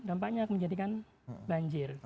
dampaknya akan menjadikan banjir